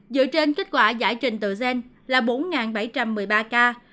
dựa trên kết quả giải trình tự gen là bốn bảy trăm một mươi ba ca